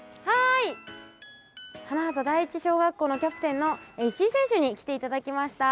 花畑第一小学校のキャプテンの石井選手に来ていただきました。